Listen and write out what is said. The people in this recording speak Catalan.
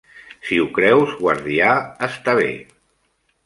Si ho creus, guardià, està bé.